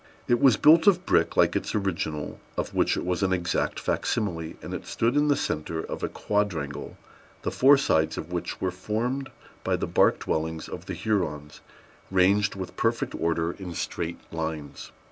It was built of brick, like its original, of which it was an exact facsimile; and it stood in the centre of a quadrangle, the four sides of which were formed by the bark dwellings of the Hurons, ranged with perfect order in straight lines.